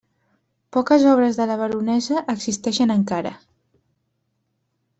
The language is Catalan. Poques obres de la baronessa existeixen encara.